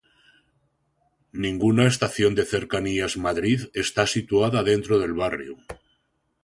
Ninguna estación de Cercanías Madrid está situada dentro del barrio.